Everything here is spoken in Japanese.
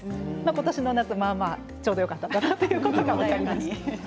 今年の夏まあまあちょうどよかったのかなということが分かりました。